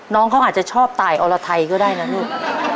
น้องเขาอาจจะชอบตายอรไทยก็ได้นะลูก